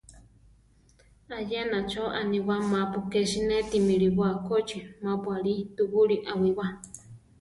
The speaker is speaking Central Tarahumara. Ayena cho aniwá mapu ké sinéti milibóa kóchi mápu alí tubúli awíwa.